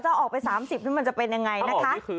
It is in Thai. จะออกไปสามสิบนี่มันจะเป็นยังไงนะคะ